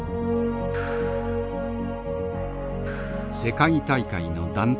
世界大会の団体戦。